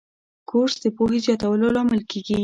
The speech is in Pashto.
کورس د پوهې زیاتولو لامل کېږي.